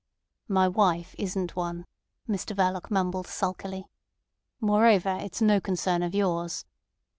"My wife isn't one," Mr Verloc mumbled sulkily. "Moreover, it's no concern of yours."